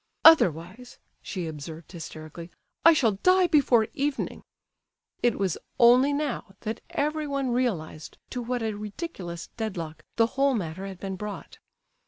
"Otherwise," she observed hysterically, "I shall die before evening." It was only now that everyone realized to what a ridiculous dead lock the whole matter had been brought.